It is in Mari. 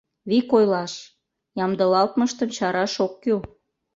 Вик ойлаш, ямдылалтмыштым чараш ок кӱл.